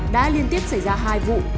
đã liên tiếp xảy ra hai vụ